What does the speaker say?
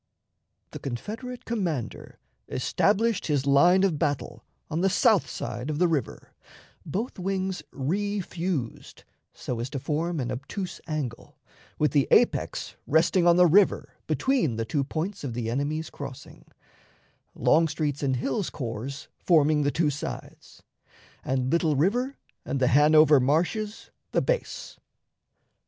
The Confederate commander established his line of battle on the south side of the river, both wings refused so as to form an obtuse angle, with the apex resting on the river between the two points of the enemy's crossing, Longstreet's and Hill's corps forming the two sides, and Little River and the Hanover marshes the base.